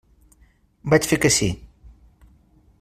Vaig fer que sí.